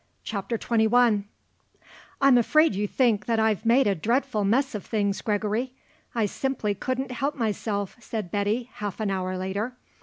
CHAPTER XXI "I'm afraid you think that I've made a dreadful mess of things, Gregory. I simply couldn't help myself," said Betty, half an hour later.